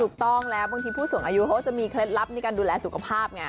ถูกต้องแล้วบางทีผู้สูงอายุเขาก็จะมีเคล็ดลับในการดูแลสุขภาพไง